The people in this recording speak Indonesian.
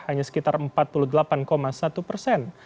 hanya sekitar empat puluh delapan satu persen